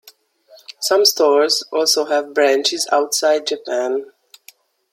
Some stores also have branches outside Japan.